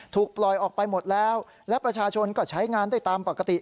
ถูกปล่อยออกไปหมดแล้วและประชาชนก็ใช้งานได้ตามปกติ